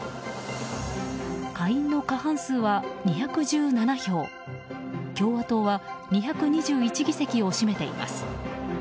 下院の過半数は２１７票共和党は２２１議席を占めています。